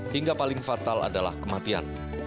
hingga paling fatal adalah kematian